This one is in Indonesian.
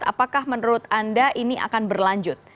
apakah menurut anda ini akan berlanjut